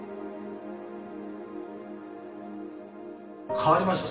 変わりました？